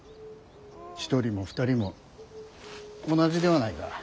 １人も２人も同じではないか。